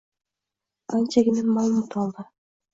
anchagina ma'lumot oldi.